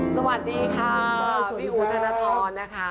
สวัสดีค่ะพี่อู๋ธนทรนะคะ